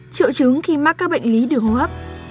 triệu chứng khi mắc các bệnh lý đường hô hấp